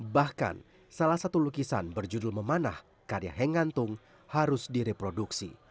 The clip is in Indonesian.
bahkan salah satu lukisan berjudul memanah karya hengantung harus direproduksi